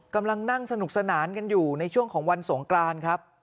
กำลังนั่งสนุกสนานกันอยู่ในช่วงของวันสงกรานครับ